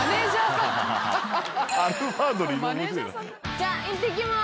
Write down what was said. じゃあいってきます！